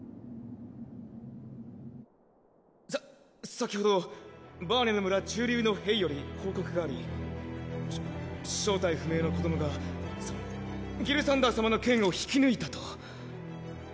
先ほどバーニャの村駐留の兵より報告がありしょ正体不明の子供がそのギルサンダー様の剣を引き抜いたと。